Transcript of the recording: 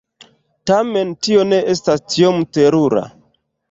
Tamen, tio ne estas tiom terura.